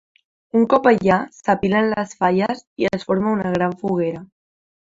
Un cop allà, s’apilen les falles i es forma una gran foguera.